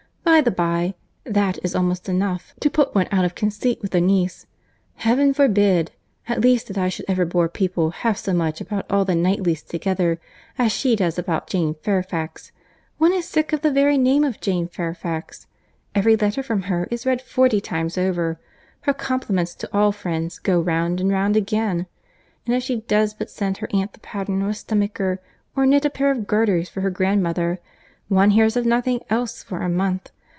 By the bye, that is almost enough to put one out of conceit with a niece. Heaven forbid! at least, that I should ever bore people half so much about all the Knightleys together, as she does about Jane Fairfax. One is sick of the very name of Jane Fairfax. Every letter from her is read forty times over; her compliments to all friends go round and round again; and if she does but send her aunt the pattern of a stomacher, or knit a pair of garters for her grandmother, one hears of nothing else for a month.